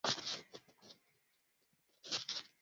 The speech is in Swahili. Roho yangu na iwe, rahani mwako wewe.